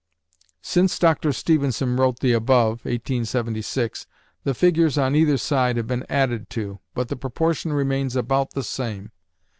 [Since Dr. Stevenson wrote the above (1876), the figures on either side have been added to, but the proportion remains about the same.